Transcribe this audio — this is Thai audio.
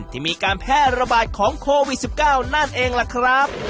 ที่มีการแพร่ระบาดของโควิด๑๙นั่นเองล่ะครับ